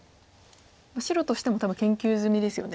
白としても多分研究済みですよね。